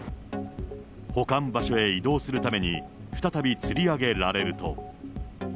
保管場所へ移動するために、再びつり上げられると。